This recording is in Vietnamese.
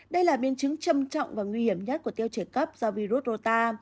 đây là biên chứng trâm trọng và nguy hiểm nhất của tiêu chảy cấp do virus rô ta